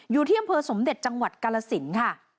อยู่ที่อำเภอสมเด็จจังหวัดกาลสินค่ะ